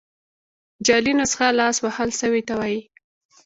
جعلي نسخه لاس وهل سوي ته وايي.